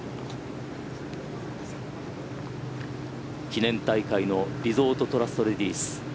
記念大会のリゾートトラストレディス。